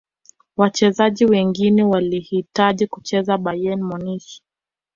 wachezaji wengi walihitaji kucheza bayern munich